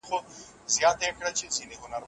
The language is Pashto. کله چې زه د اوبو څاڅکي وینم نو د ژوند ارزښت درک کوم.